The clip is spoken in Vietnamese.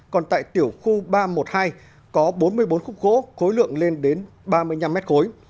còn tại tiểu khu ba trăm một mươi hai có bốn mươi bốn khúc gỗ khối lượng lên đến ba mươi năm mét khối